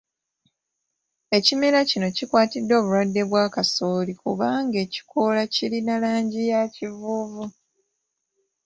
Ekimera kino kikwatiddwa obulwadde bwa kasooli kubanga ekikoola kirina langi ya kivuuvu